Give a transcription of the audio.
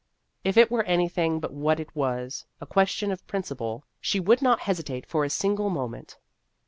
If it were anything but what it was a question of principle she would not hesitate for a single moment.